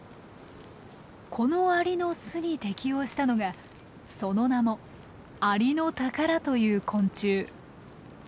このアリの巣に適応したのがその名もアリノタカラという昆虫。